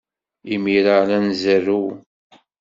Imir-a, la nzerrew.